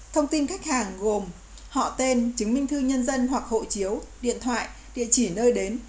thông tin khách hàng gồm họ tên chứng minh thư nhân dân hoặc hộ chiếu điện thoại địa chỉ nơi đến